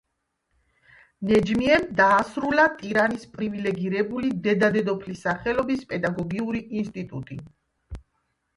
ნეჯმიემ დაასრულა ტირანის პრივილიგირებული დედა-დედოფლის სახელობის პედაგოგიური ინსტიტუტი.